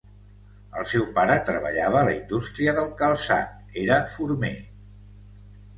El seu pare treballava a la indústria del calçat, era former.